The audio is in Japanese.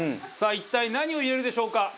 さあ一体何を入れるでしょうか？